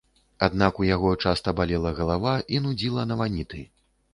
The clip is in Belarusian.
Аднак у яго часта балела галава і нудзіла на ваніты.